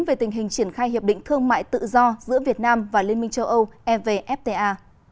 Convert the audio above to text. về tình hình triển khai hiệp định thương mại tự do giữa việt nam và liên minh châu âu evfta